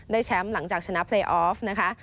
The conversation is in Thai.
แชมป์หลังจากชนะเพลย์ออฟนะคะ